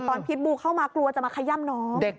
พิษบูเข้ามากลัวจะมาขย่ำน้อง